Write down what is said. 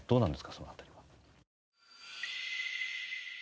その辺りは。